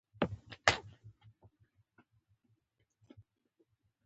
اته شپیتم سوال د مسؤلیت په اړه دی.